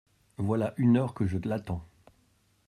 Voilà une heure que je l’attends…